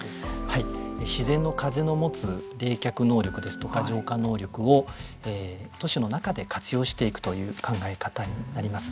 自然の風の持つ冷却能力ですとか、浄化能力を都市の中で活用していくという考え方になります。